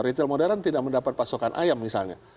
retail modern tidak mendapat pasokan ayam misalnya